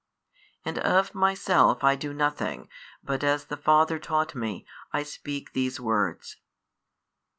And of Myself I do nothing, but as the Father taught Me, I speak these words.